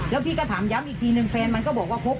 แล้วพี่ก็ถามย้ำอีกทีนึงแฟนมันก็บอกว่าคบ